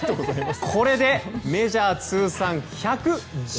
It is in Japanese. これでメジャー通算１１７号。